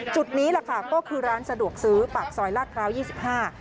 จุดนี้แหละค่ะก็คือร้านสะดวกซื้อปากซอยลาดพร้าวยี่สิบห้า